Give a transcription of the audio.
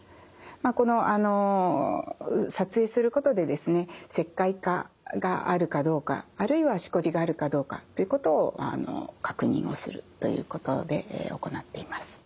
この撮影することでですね石灰化があるかどうかあるいはしこりがあるかどうかということを確認をするということで行っています。